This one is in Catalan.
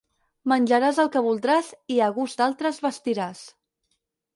Menjaràs el que voldràs i, a gust d'altres, vestiràs.